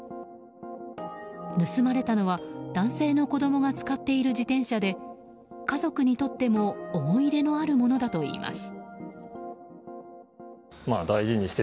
盗まれたのは男性の子供が使っている自転車で家族にとっても思い入れのあるものだといいます。